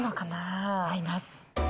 合います。